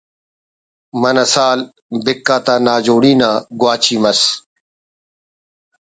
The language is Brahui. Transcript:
منہ سال بِک آتا ناجوڑی نا گواچی مس